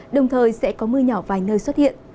đồng thời sẽ có mưa nhỏ vài nơi xuất hiện